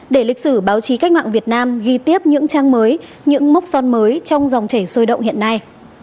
để lịch sử báo chí cách mạng việt nam ghi tiếp những trang mới những mốc son mới trong dòng chảy sôi động hiện nay